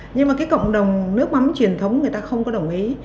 nhưng mà cái cộng đồng nước mắm truyền thống người ta không có đồng ý